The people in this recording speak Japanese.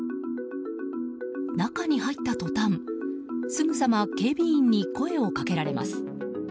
中に入った途端、すぐさま警備員に声をかけられます。